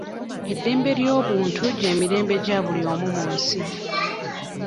Eddembe ly'obuntu gy'emirembe gya buli omu mu nsi.